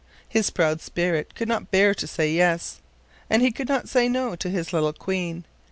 His proud spirit could not bear to say yes, and he could not say no to his little queen.